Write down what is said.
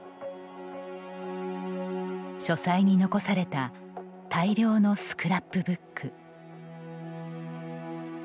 書斎に残された大量のスクラップブック。